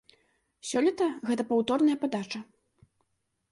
Сёлета гэта паўторная падача.